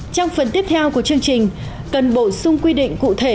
trong phần tiếp theo của chương trình cần bổ sung quy định cụ thể